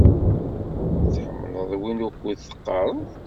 Tḥemmleḍ wid ukud teqqareḍ?